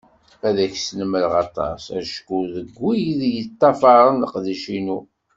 Ad ak-snemreɣ aṭas, acku seg wid yeṭṭafaren leqdic-inu.